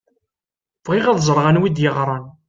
Bɣiɣ ad ẓṛeɣ anwa i d-yeɣṛan.